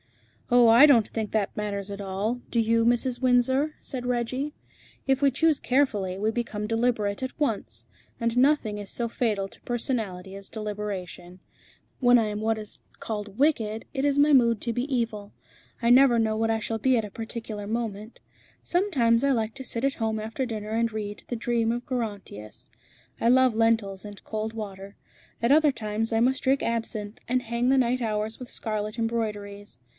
"Oh! I don't think that matters at all; do you, Mrs. Windsor?" said Reggie. "If we choose carefully, we become deliberate at once; and nothing is so fatal to personality as deliberation. When I am good, it is my mood to be good; when I am what is called wicked, it is my mood to be evil. I never know what I shall be at a particular moment. Sometimes I like to sit at home after dinner and read 'The dream of Gerontius.' I love lentils and cold water. At other times I must drink absinthe, and hang the night hours with scarlet embroideries.